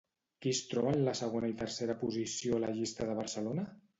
Qui es troba en la segona i tercera posició a la llista de Barcelona?